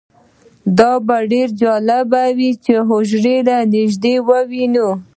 دا به ډیره جالبه وي چې حجرې له نږدې ووینو